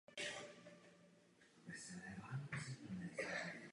Veřejné funkce by ztratily důstojnost.